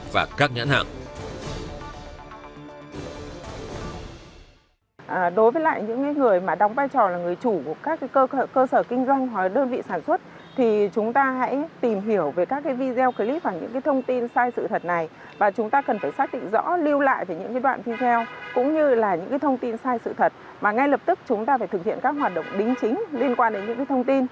và các nhãn hàng